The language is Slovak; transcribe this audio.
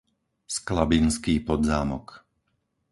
Sklabinský Podzámok